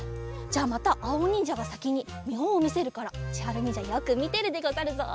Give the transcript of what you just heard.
じゃあまたあおにんじゃがさきにみほんをみせるからちはるにんじゃよくみてるでござるぞ。